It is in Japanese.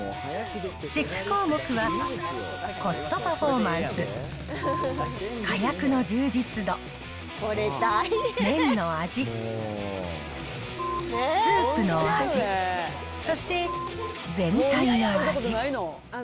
チェック項目は、コストパフォーマンス、かやくの充実度、麺の味、スープの味、そして全体の味。